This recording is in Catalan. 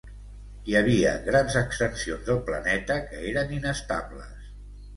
Hi havia grans extensions del planeta que eren inestables.